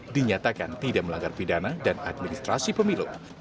dinyatakan tidak melanggar pidana dan administrasi pemilu